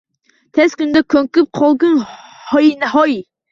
Tez kunda ko‘nikib qolgung, hoynahoy“.